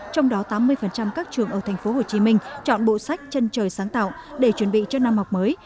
trong đó tám mươi các trường ở tp hcm chọn bộ sách chân trời sáng tạo để chuẩn bị cho năm học mới